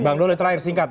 bang loli terakhir singkat